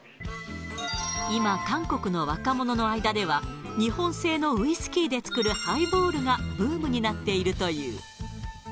今、韓国の若者の間では、日本製のウイスキーで作るハイボールがブームになっているという。